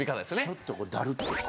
ちょっとこうダルッとした。